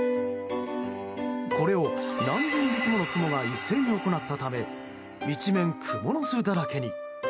これを何千匹ものクモが一斉に行ったため一面、クモの巣だらけに。